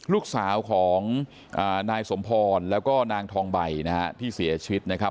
ลูกสาวของนายสมพรแล้วก็นางทองใบนะฮะที่เสียชีวิตนะครับ